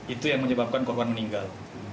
itu yang menyebabkan korban meninggal